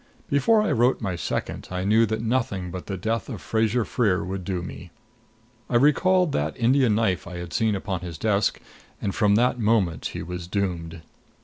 Before I wrote my second, I knew that nothing but the death of Fraser Freer would do me. I recalled that Indian knife I had seen upon his desk, and from that moment he was doomed.